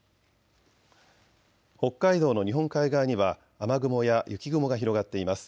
北海道の日本海側には雨雲や雪雲が広がっています。